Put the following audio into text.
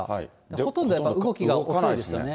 ほとんどやっぱり動きが遅いですね。